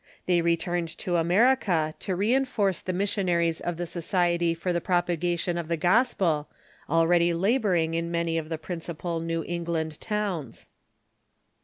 They returned to America to reinforce the missionaries of the Society for the Propagation of the Gospel, already laboring in many of the principal New England towns.